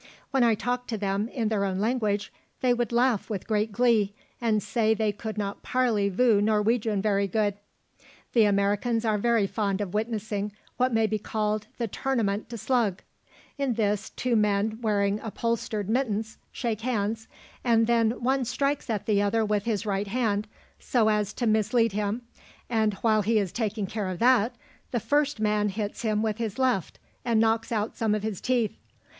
When I talked to them in their own language they would laugh with great glee, and say they could not parley voo Norwegian very good. "The Americans are very fond of witnessing what may be called the tournament de slug. In this, two men wearing upholstered mittens shake hands, and then one strikes at the other with his right hand, so as to mislead him, and, while he is taking care of that, the first man hits him with his left and knocks out some of his teeth.